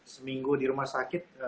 seminggu di rumah sakit